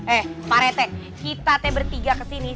eh pak retek kita teh bertiga kesini